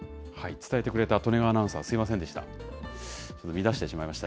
伝えてくれた利根川アナウンサー、すみませんでした。